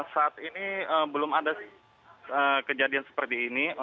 saat ini belum ada kejadian seperti ini